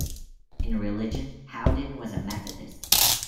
In religion, Howden was a Methodist.